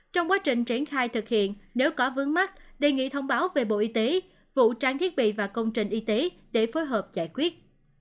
trong quá trình triển khai thực hiện nếu có vướng mắt đề nghị thông báo về bộ y tế vũ trang thiết bị và công trình y tế để phối hợp giải quyết